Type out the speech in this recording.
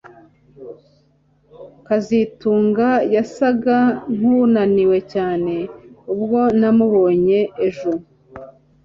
kazitunga yasaga nkunaniwe cyane ubwo namubonye ejo